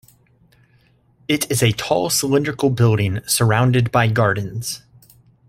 It is a tall cylindrical building, surrounded by gardens.